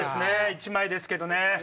１枚ですけどね。